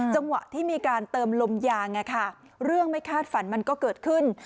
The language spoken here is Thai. จังหวะที่มีการเติมลมยางเรื่องไม่คาดฝันมันก็เกิดขึ้น